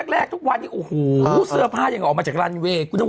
แรกทุกวันที่โอ้โหเสื้อผ้ายังออกกับอ้านเวกูเรียก